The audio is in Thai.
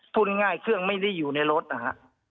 พูดง่ายเครื่องไม่ได้อยู่ในรถนะฮะ